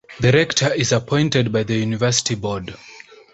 The Rector is appointed by the university board.